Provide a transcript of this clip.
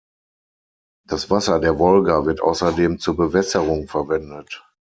Das Wasser der Wolga wird außerdem zur Bewässerung verwendet.